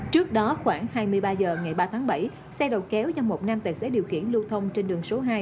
trước đó khoảng hai mươi ba h ngày ba tháng bảy xe đầu kéo do một nam tài xế điều khiển lưu thông trên đường số hai